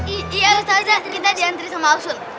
iya ustazah kita diantarin sama asun